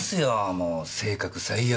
もう性格最悪。